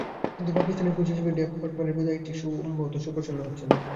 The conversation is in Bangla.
কিন্তু পাকিস্তানের কোচ হিসেবে ডেভ হোয়াটমোরের বিদায়টি সম্ভবত সুপ্রসন্ন হচ্ছে না।